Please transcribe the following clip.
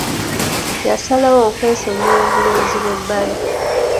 Yasalawo okwesonyiwa obulenzi bw'ebbali.